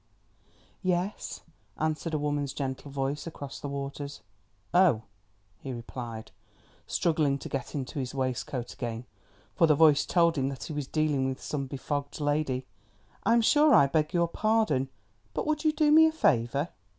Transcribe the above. "Yes," answered a woman's gentle voice across the waters. "Oh," he replied, struggling to get into his waistcoat again, for the voice told him that he was dealing with some befogged lady, "I'm sure I beg your pardon, but would you do me a favour?